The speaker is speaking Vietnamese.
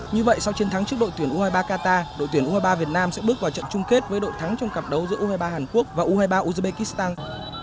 như vậy sau chiến thắng trước đội tuyển u hai mươi ba qatar đội tuyển u hai mươi ba việt nam sẽ bước vào trận chung kết với đội thắng trong cặp đấu giữa u hai mươi ba hàn quốc và u hai mươi ba uzbekistan